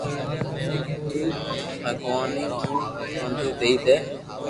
تو ڀگواناوني ھيم چونڌي دئي دي